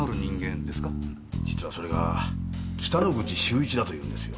実はそれが北之口秀一だというんですよ。